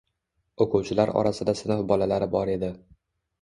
O‘quvchilar orasida sinf bolalari bor edi.